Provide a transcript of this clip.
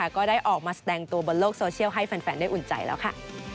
ก็ได้ออกมาแสดงตัวบนโลกโซเชียลให้แฟนได้อุ่นใจแล้วค่ะ